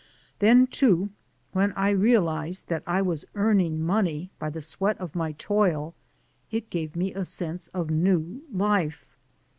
Then too, when I real ized that I was earning money by the sweat of my toil, it gave me a sense of new life.